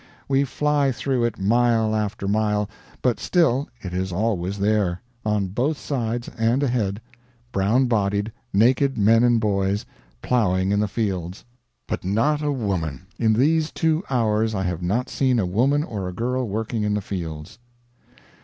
We fly through it mile after mile, but still it is always there, on both sides and ahead brown bodied, naked men and boys, plowing in the fields. But not a woman. In these two hours I have not seen a woman or a girl working in the fields.